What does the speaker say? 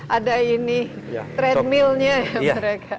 ada ini treadmillnya mereka